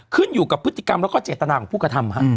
ขึ้นอยู่กับพฤติกรรมแล้วก็เจตนาของผู้กระทำ